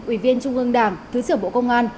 ủy viên trung ương đảng thứ trưởng bộ công an